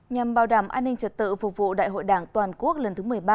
nhằm bảo đảm an ninh trật tự phục vụ đại hội đảng toàn quốc lần thứ một mươi ba